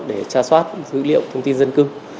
để tra soát dữ liệu thông tin dân cư